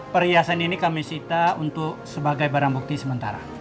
perhiasan ini kami sita untuk sebagai barang bukti sementara